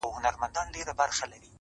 • سره لمبه به دا ښارونه دا وطن وي,